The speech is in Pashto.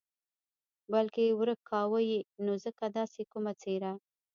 بلکې ورک کاوه یې نو ځکه داسې کومه څېره.